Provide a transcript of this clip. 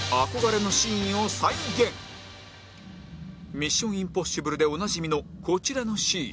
『ミッション：インポッシブル』でおなじみのこちらのシーン